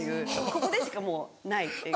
ここでしかもうないっていう。